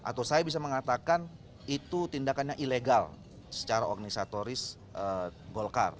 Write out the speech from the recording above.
atau saya bisa mengatakan itu tindakannya ilegal secara orgnisatoris golkar